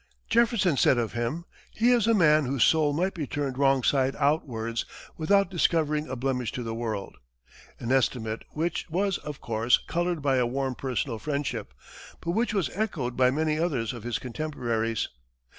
Jefferson said of him, "He is a man whose soul might be turned wrong side outwards, without discovering a blemish to the world," an estimate which was, of course, colored by a warm personal friendship, but which was echoed by many others of his contemporaries.